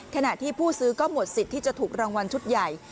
ขณะที่ผู้ซื้อก็หมดสิทธิ์ที่จะถูกรางวัลชุดใหญ่